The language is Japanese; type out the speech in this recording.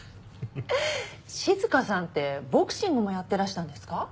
静さんってボクシングもやってらしたんですか？